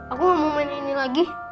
aku mau main ini lagi